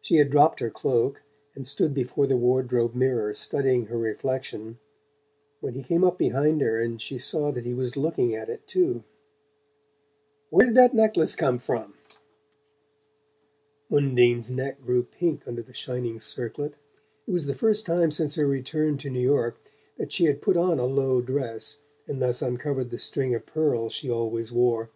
She had dropped her cloak and stood before the wardrobe mirror studying her reflection when he came up behind her and she saw that he was looking at it too. "Where did that necklace come from?" Undine's neck grew pink under the shining circlet. It was the first time since her return to New York that she had put on a low dress and thus uncovered the string of pearls she always wore.